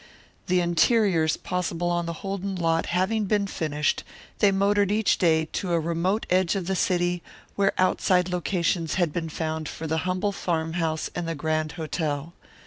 The interiors possible on the Holden lot having been finished, they motored each day to a remote edge of the city where outside locations had been found for the humble farmhouse and the grand hotel.